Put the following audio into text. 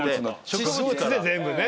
植物で全部ね。